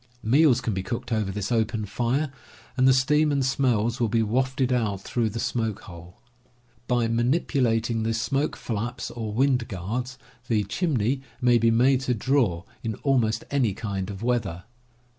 Meals can be cooked over this open fire, and the steam and smells will be wafted out through the TENTS AND TOOLS 45 smoke hole. By manipulating the smoke flaps or wind guards the "chimney" may be made to draw, in almost any kind of weather.